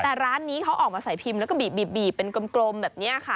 แต่ร้านนี้เขาออกมาใส่พิมพ์แล้วก็บีบเป็นกลมแบบนี้ค่ะ